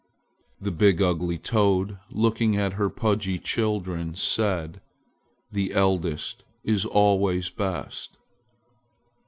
The big, ugly toad, looking at her pudgy children, said: "The eldest is always best."